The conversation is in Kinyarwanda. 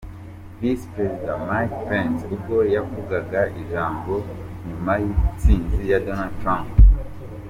Visi Perezida Mike Pence ubwo yavugaga ijambo nyuma y'intsinzi ya Donald Trump.